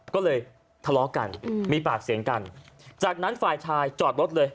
ก็เลยทะเลาะกันมีปากเสียงกันจากนั้นฝ่ายชายจอดรถเลย